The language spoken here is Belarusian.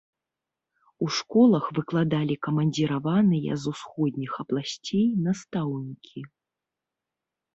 У школах выкладалі камандзіраваныя з усходніх абласцей настаўнікі.